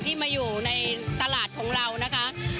ที่มาอยู่ในตลาดของเรานะคะ